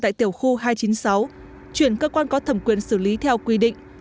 tại tiểu khu hai trăm chín mươi sáu chuyển cơ quan có thẩm quyền xử lý theo quy định